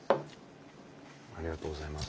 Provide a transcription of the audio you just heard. ありがとうございます。